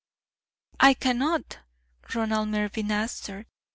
"I cannot," Ronald Mervyn answered.